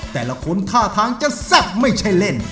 แต่ละคนท่าทางจะแซ่บไม่ใช่เล่น